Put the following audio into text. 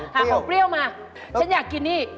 หาของเปรี้ยวมาฉันอยากกินนี่